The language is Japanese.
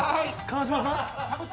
川島さん？